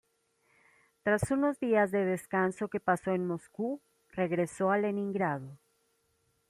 Tras unos días de descanso que pasó en Moscú, regresó a Leningrado.